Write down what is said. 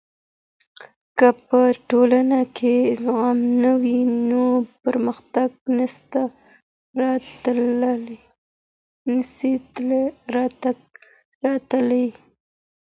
که په ټولنه کي زغم نه وي نو پرمختګ نسي راتلای.